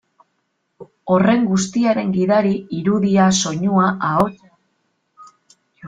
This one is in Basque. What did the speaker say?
Horren guztiaren gidari, irudia, soinua, ahotsa.